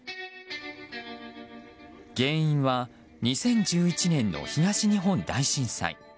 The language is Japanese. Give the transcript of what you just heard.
原因は２０１１年の東日本大震災。